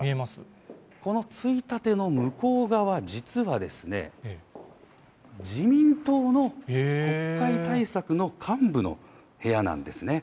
このついたての向こう側、実は、自民党の国会対策の幹部の部屋なんですね。